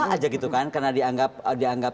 aja gitu kan karena dianggap